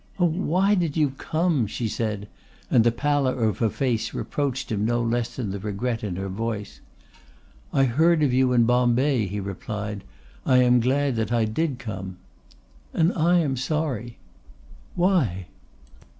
"Oh, why did you come?" she said, and the pallor of her face reproached him no less than the regret in her voice. "I heard of you in Bombay," he replied. "I am glad that I did come." "And I am sorry." "Why?"